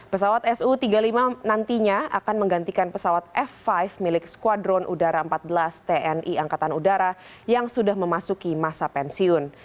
pesawat su tiga puluh lima nantinya akan menggantikan pesawat f lima milik skuadron udara empat belas tni angkatan udara yang sudah memasuki masa pensiun